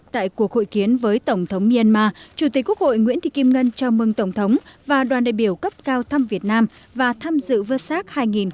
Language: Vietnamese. tại cuộc hội kiến với tổng thống myanmar chủ tịch quốc hội nguyễn thị kim ngân chào mừng tổng thống và đoàn đại biểu cấp cao thăm việt nam và tham dự vơ sát hai nghìn một mươi chín